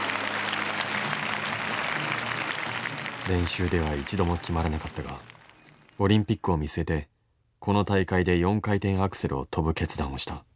練習では一度も決まらなかったがオリンピックを見据えてこの大会で４回転アクセルを跳ぶ決断をした。